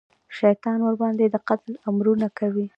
شیطان ورباندې د قتل امرونه کوي.